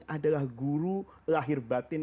adalah guru lahir batin